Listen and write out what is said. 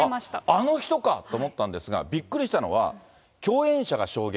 あの人かと思ったんですが、びっくりしたのは、共演者が証言。